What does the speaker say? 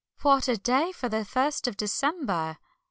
"What a day for the first of December!"